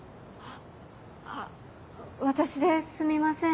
あ私ですみません。